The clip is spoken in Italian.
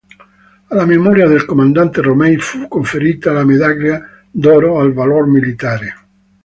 Alla memoria del comandante Romei fu conferita la Medaglia d'oro al valor militare.